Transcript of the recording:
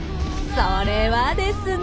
それはですね。